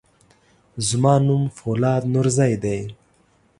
زما نوم فولاد نورزی دی.